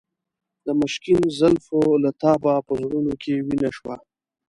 د مشکین زلفو له تابه په زړونو کې وینه شوه.